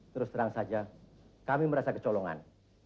terus terang saja kami merasa kecolongan